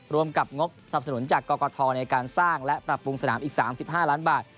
รวมกับงบทรัพย์สนุนจากกคในการสร้างและปรับปรุงสนาม๔๕ล้านบาท